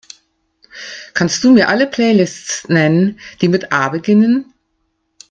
Kannst Du mir alle Playlists nennen, die mit A beginnen?